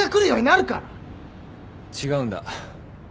違うんだ。